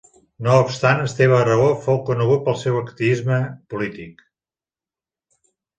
No obstant Esteve Aragó fou conegut pel seu activisme polític.